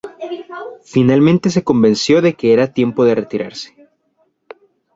Finalmente se convenció de que era tiempo de retirarse.